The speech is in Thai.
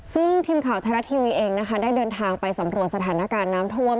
ซึ่งทีมข่าวไทยรัฐทีวีเองนะคะได้เดินทางไปสำรวจสถานการณ์น้ำท่วม